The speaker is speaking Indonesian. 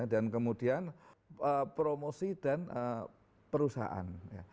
dan kemudian promosi dan perusahaan